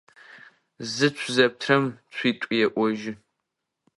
Зыцу зэптырэм цуитӏу еӏожьы.